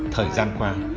thời gian qua